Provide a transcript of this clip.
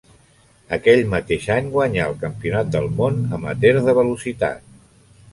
Aquell mateix any guanyà el Campionat del món amateur de velocitat.